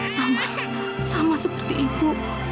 sama sama seperti ibu